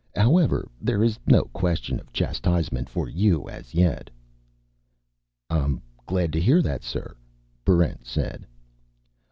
"However, there is no question of chastisement for you as yet." "I'm glad to hear that, sir," Barrent said.